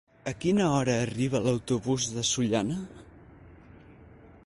A quina hora arriba l'autobús de Sollana?